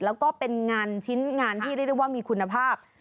แล้วก็เป็นงานชิ้นงานที่เรียกได้ว่ามีคุณภาพ